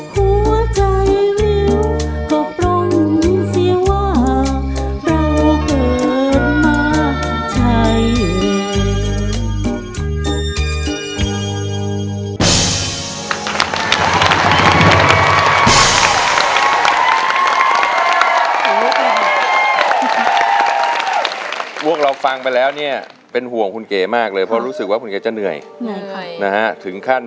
หัวใจลิ้วก็ปล่อยสิว่าเราเกิดมาใช่เลย